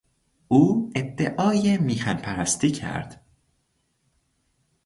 او ادعای میهن پرستی کرد.